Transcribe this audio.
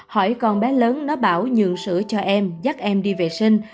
hỏi con bé lớn nó bảo nhường sữa cho em dắt em đi vệ sinh